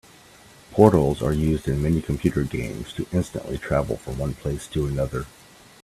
Portals are used in many computer games to instantly travel from one place to another.